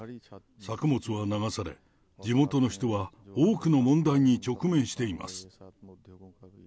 作物は流され、地元の人は多くの問題に直面しています。